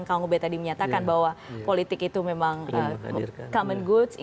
yang kang kang ongbet tadi menyatakan bahwa politik itu memang common goods